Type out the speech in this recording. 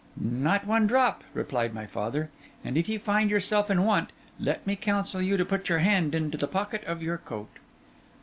'Not one drop,' replied my father; 'and if you find yourself in want, let me counsel you to put your hand into the pocket of your coat.